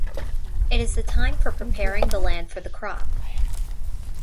It is the time for preparing the land for the crop.